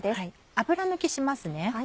油抜きします。